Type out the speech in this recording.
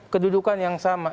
kedudukan yang sama